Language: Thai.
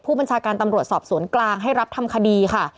บัญชาการตำรวจสอบสวนกลางให้รับทำคดีค่ะ